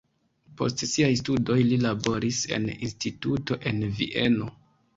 Post siaj studoj li laboris en instituto en Vieno.